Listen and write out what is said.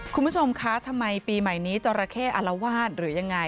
คุณผู้ชมคะทำไมปีใหม่นี้จราเข้อารวาสหรือยังไง